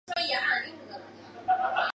合金系统由数字系统分类。